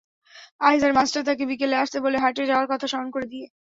আইজার master তাকে বিকেলে আসতে বলে হাটে যাওয়ার কথা স্মরণ করে দিয়ে।